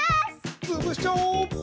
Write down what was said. つぶしちゃおう！